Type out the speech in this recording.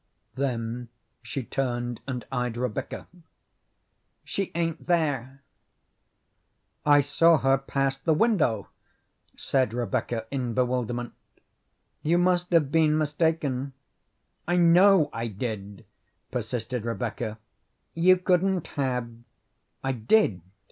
Then she turned and eyed Rebecca. "She ain't there." "I saw her pass the window," said Rebecca in bewilderment. "You must have been mistaken." "I know I did," persisted Rebecca. "You couldn't have." "I did.